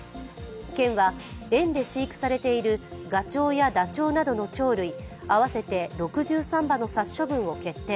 県は園で飼育されているガチョウやダチョウなどの鳥類合わせて６３羽の殺処分を決定。